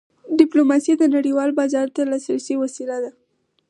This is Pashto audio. ډیپلوماسي نړیوال بازار ته د لاسرسي وسیله ده.